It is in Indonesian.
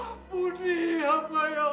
ampuni hamba ya allah